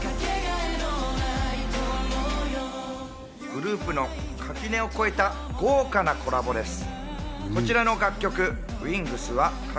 グループの垣根を越えた豪華なコラボです。